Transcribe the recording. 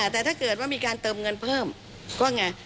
แต่ถ้าเกิดว่ามีการเติมเงินเพิ่มก็ไง